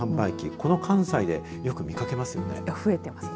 この関西でよく見かけますよね。